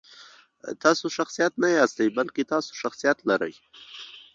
تاسو شخصیت نه یاستئ، بلکې تاسو شخصیت لرئ.